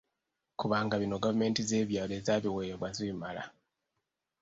Kubanga bino gavumenti z'ebyalo ezabiweebwa zibimala.